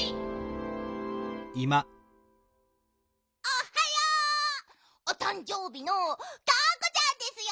おっはよ！おたんじょうびのがんこちゃんですよ！